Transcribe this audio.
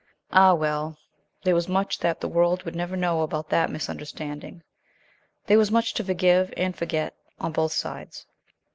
Ah, well, there was much that the world would never know about that misunderstanding. There was much to forgive and forget on both sides.